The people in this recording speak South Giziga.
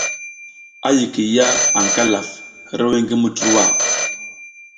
A yikiy ya aƞ Kalaf hiriwiy ngi Muturwa.